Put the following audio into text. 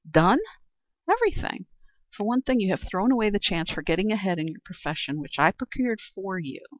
"Done? Everything. For one thing you have thrown away the chance for getting ahead in your profession which I procured for you.